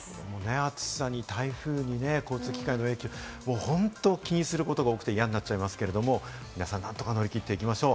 暑さに台風に交通機関の影響、気にすることが多くて嫌になっちゃいますけれども、皆さん何とか乗り切っていきましょう。